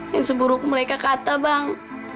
yang seburuk mereka kata bang